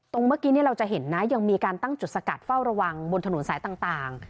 เมื่อกี้เราจะเห็นนะยังมีการตั้งจุดสกัดเฝ้าระวังบนถนนสายต่าง